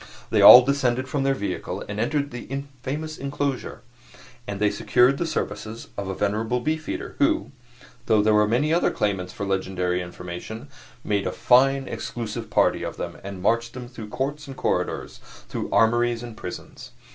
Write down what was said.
They all descended from their vehicle and entered the famous inclosure; and they secured the services of a venerable beefeater, who, though there were many other claimants for legendary information, made a fine exclusive party of them and marched them through courts and corridors, through armories and prisons.